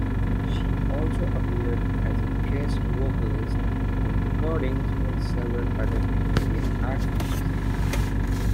She also appeared as a guest vocalist on recordings by several other Canadian artists.